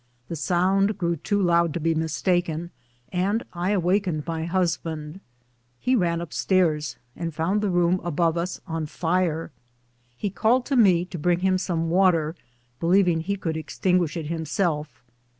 The sound grew too loud to be mistaken, and I awakened my husband. He ran up stairs and found the room above us on fire, lie called to me to bring hi in some water, believing he could extinguish it himself.